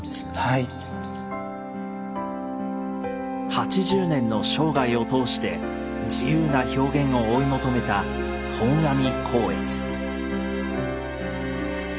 ８０年の生涯を通して自由な表現を追い求めた本阿弥光悦。